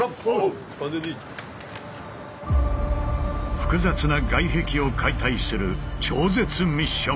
複雑な外壁を解体する超絶ミッション。